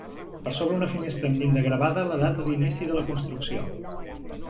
Per sobre una finestra amb llinda gravada la data d'inici de la construcció.